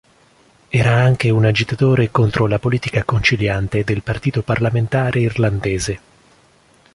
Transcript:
Era anche un agitatore contro la politica conciliante del Partito Parlamentare Irlandese.